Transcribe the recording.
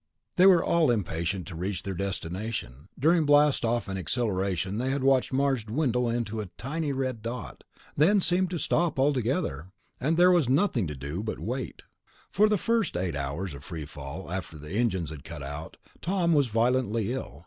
They were all impatient to reach their destination. During blastoff and accelleration they had watched Mars dwindle to a tiny red dot; then time seemed to stop altogether, and there was nothing to do but wait. For the first eight hours of free fall, after the engines had cut out, Tom was violently ill.